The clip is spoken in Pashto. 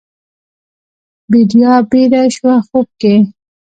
بیدیا بیده شوه خوب کې